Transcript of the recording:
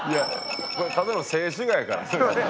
これただの静止画やから。